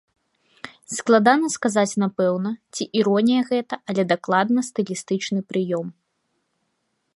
Складана сказаць напэўна, ці іронія гэта, але дакладна стылістычны прыём.